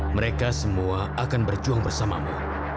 mereka semua akan berjuang bersamamu